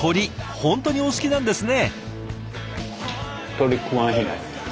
本当にお好きなんですね！